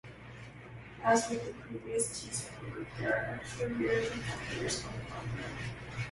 As with the previous T-Sport, there are extra rear reflectors on the bumper.